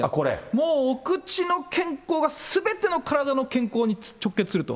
もうお口の健康がすべての体の健康に直結すると。